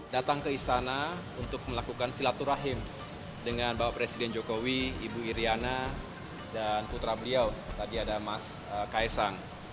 datang ke istana untuk melakukan silaturahim dengan bapak presiden jokowi ibu iryana dan putra beliau tadi ada mas kaisang